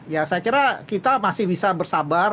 ya saya kira kita masih bisa bersabar